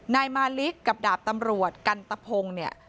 นายมาลิกกับดาบตำรวจกันตะพงเนี่ย